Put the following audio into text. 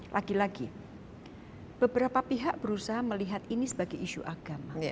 lagi lagi beberapa pihak berusaha melihat ini sebagai isu agama